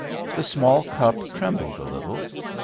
The small cup trembled a little.